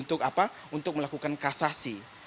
untuk melakukan kasasi